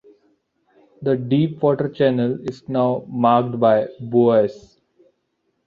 The deep-water channel is now marked by buoys.